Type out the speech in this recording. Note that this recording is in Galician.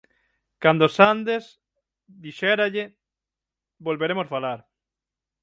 Cando sandes, dixéralle, volveremos falar.